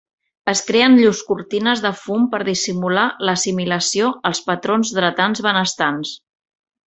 Es creen llurs cortines de fum per dissimular l'assimilació als patrons dretans benestants.